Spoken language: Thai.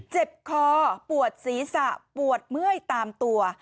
เจ็บคอปวดศีรษะปวดเมื่อยตามตัว